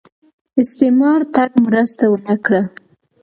استعمار تګ مرسته ونه کړه